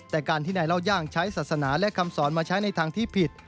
แต่การที่นายเล่าย่างใช้ศาสนาและคำสอนมาใช้ในทางที่ผิด